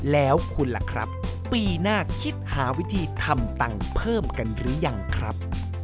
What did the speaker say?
แล้วคุณล่ะครับปีหน้าคิดหาวิธีทำตังค์เพิ่มกันหรือยังครับ